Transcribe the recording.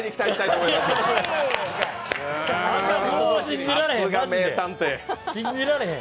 もう信じられへん。